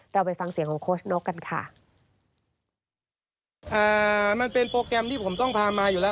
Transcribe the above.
เราไปฟังเสียงของโค้ชนกกันค่ะอ่ามันเป็นโปรแกรมที่ผมต้องพามาอยู่แล้ว